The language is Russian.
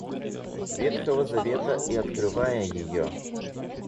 Ветхого Завета и открывая ее.